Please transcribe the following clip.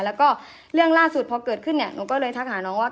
แล้วก็เรื่องล่าสุดพอเกิดขึ้นเนี่ยหนูก็เลยทักหาน้องว่า